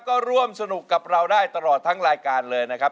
ก็ร่วมสนุกกับเราได้ตลอดทั้งรายการเลยนะครับ